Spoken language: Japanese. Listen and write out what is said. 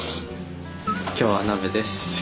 今日は鍋です。